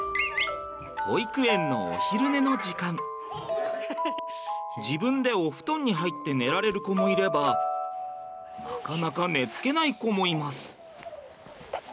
保育園の自分でお布団に入って寝られる子もいればなかなか寝つけない子もいます。